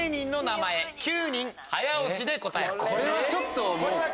これはちょっと。